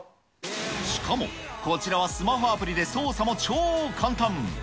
しかも、こちらはスマホアプリで操作も超簡単。